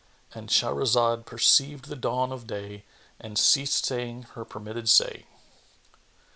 '"— And Shahrazad perceived the dawn of day and ceased saying her permitted say.